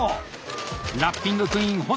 ラッピングクイーン・保住